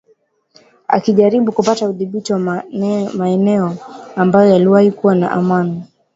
akijaribu kupata udhibiti wa maeneo ambayo yaliwahi kuwa na amani